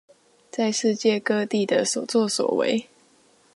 在世界各地的所作所為